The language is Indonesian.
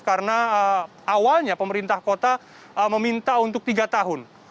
karena awalnya pemerintah kota meminta untuk tiga tahun